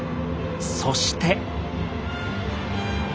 そして。